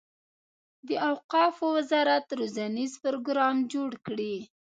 د اوقافو وزارت روزنیز پروګرام جوړ کړي.